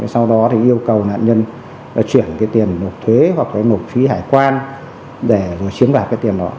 sau đó yêu cầu nạn nhân chuyển tiền nộp thuế hoặc nộp phí hải quan để chiếm đoạt tiền đó